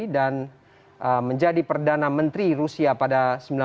dan menjadi perdana menteri rusia pada seribu sembilan ratus sembilan puluh sembilan